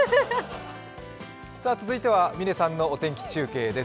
続いては嶺さんのお天気中継です。